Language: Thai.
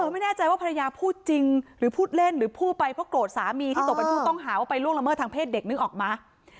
ไม่แน่ใจว่าภรรยาพูดจริงหรือพูดเล่นหรือพูดไปเพราะโกรธสามีที่ตกเป็นผู้ต้องหาว่าไปล่วงละเมิดทางเพศเด็กนึกออกมา